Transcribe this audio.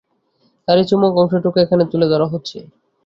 তারই চুম্বক অংশটুকু এখানে তুলে ধরা হচ্ছে।